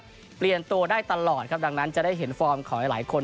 ก็เปลี่ยนตัวได้ตลอดครับดังนั้นจะได้เห็นฟอร์มของหลายคน